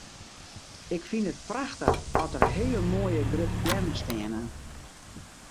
Ik fyn it prachtich at der hele moaie grutte beammen steane.